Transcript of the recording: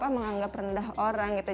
menganggap rendah orang gitu